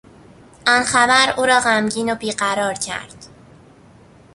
آن خبر او را غمگین و بیقرار کرد.